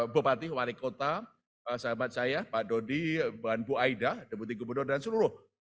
bupati wali kota sahabat saya pak dodi bu aida deputi gubernur dan seluruh